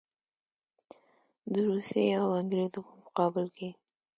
د روسیې او انګرېز په مقابل کې.